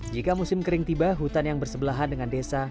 jika musim kering tiba hutan yang bersebelahan dengan desa